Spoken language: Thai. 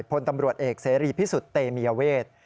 พลตำรวจเอกเสรีพิสุทธิ์เตมียเวท